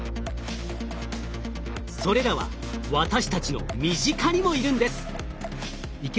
それらは私たちの身近にもいるんです。